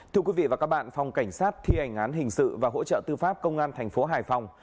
thưa quý vị và các bạn phòng cảnh sát thi hành án hình sự và hỗ trợ tư pháp công an thành phố hải phòng